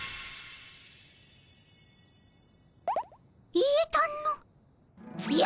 言えたの。